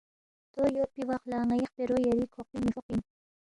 دو یودپی وخ لہ ن٘ئی خپیرو یری کھوقپِنگ مِہ فوقپی اِن